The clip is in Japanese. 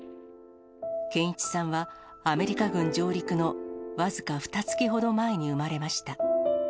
健一さんは、アメリカ軍上陸の僅かふたつきほど前に産まれました。